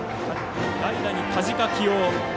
代打に田近起用。